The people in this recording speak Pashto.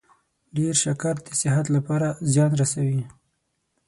ډیر شکر د صحت لپاره زیان رسوي.